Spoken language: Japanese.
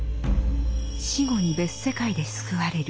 「死後に別世界で救われる」